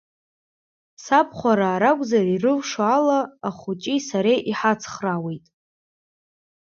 Сабхәараа ракәзар ирылшо ала ахәыҷи сареи иҳацхраауеит.